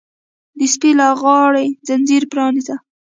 د سپي له غاړې ځنځیر پرانیزه!